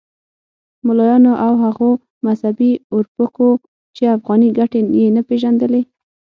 ملایانو او هغو مذهبي اورپکو چې افغاني ګټې یې نه پېژندلې.